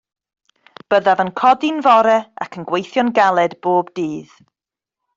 Byddaf yn codi'n fore ac yn gweithio'n galed bob dydd.